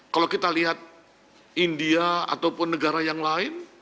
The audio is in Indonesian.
kalau kita lihat india ataupun negara yang lain